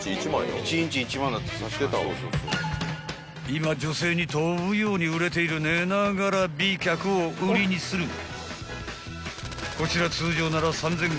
［今女性に飛ぶように売れている寝ながら美脚を売りにするこちら通常なら３，５００円ほどする